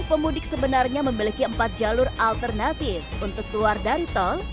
pemudik sebenarnya memiliki empat jalur alternatif untuk keluar dari tol